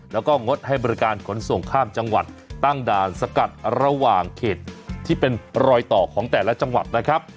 แล้วก็งดให้บริการขนส่งข้ามจังหวัดตั้งด่านสกัดระหว่างเขตที่เป็นรอยต่อของแต่ละจังหวัดนะครับ